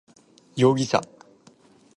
容疑者